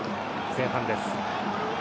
前半です。